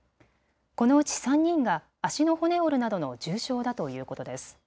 このうち３人が足の骨を折るなどの重傷だということです。